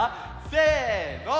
せの！